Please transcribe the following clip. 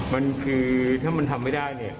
มันคือถ้ามันทำไม่ได้เนี่ย